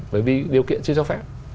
bởi vì điều kiện chưa cho phép